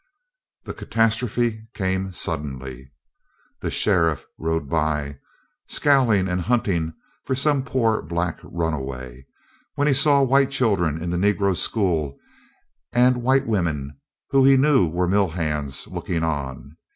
The catastrophe came suddenly. The sheriff rode by, scowling and hunting for some poor black runaway, when he saw white children in the Negro school and white women, whom he knew were mill hands, looking on.